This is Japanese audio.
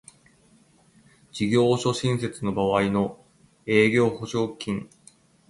事務所新設の場合の営業保証金